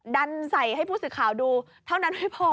ดันใส่ให้ผู้สื่อข่าวดูเท่านั้นไม่พอ